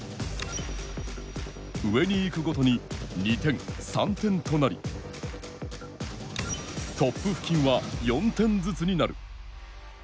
上に行くごとに２点、３点となりトップ付近は４点ずつになる。